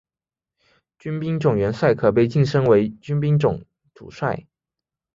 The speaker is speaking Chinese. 军兵种元帅可被晋升为军兵种主帅。